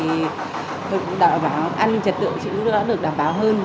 tôi cũng đảm bảo an ninh trật tự cũng đã được đảm bảo hơn